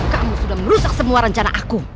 kamu sudah merusak semua rencana aku